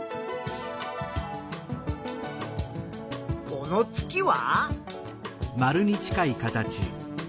この月は？